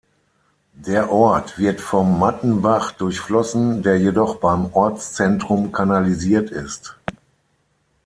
Der Ort wird vom Mattenbach durchflossen, der jedoch beim Ortszentrum kanalisiert ist.